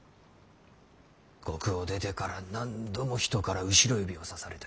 獄を出てから何度も人から後ろ指をさされた。